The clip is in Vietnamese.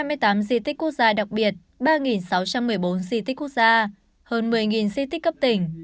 một trăm hai mươi tám di tích quốc gia đặc biệt ba sáu trăm một mươi bốn di tích quốc gia hơn một mươi di tích cấp tỉnh